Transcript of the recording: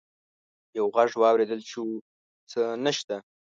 يو غږ واورېدل شو: څه نشته!